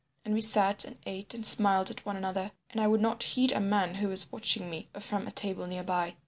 And we sat and ate and smiled at one another, and I would not heed a man who was watching me from a table near by.